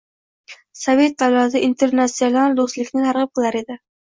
Sovet davlati internasional do`stlikni targ`ib qilar edi